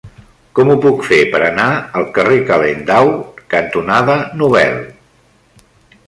Com ho puc fer per anar al carrer Calendau cantonada Nobel?